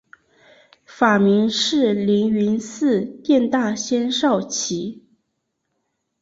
法名是灵云寺殿大仙绍其。